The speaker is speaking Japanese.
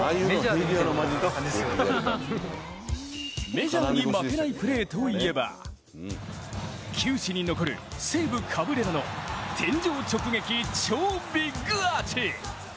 メジャーに負けないプレーといえば球史に残る西武カブレラの天井直撃超ビッグアーチ。